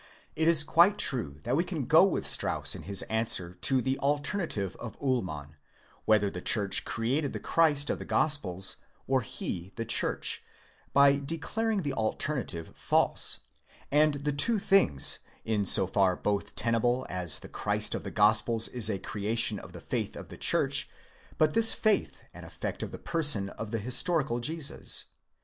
It is quite true that we can go with Strauss in his answer to the alternative of Ullmann whether the church created the Christ of the Gos pels or he the church, by declaring the alternative false, and the two things in so far both tenable as the Christ of the Gospels is a creation of the faith of the church, but this faith an effect of the person of the historical Jesus.